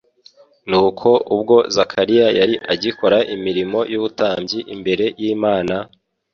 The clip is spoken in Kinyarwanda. Nuko ubwo Zakariya yari agikora imirimo y'ubutambyi imbere y'Imana,